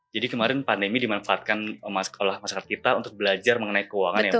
jadi kemarin pandemi dimanfaatkan oleh masyarakat kita untuk belajar mengenai keuangan ya mbak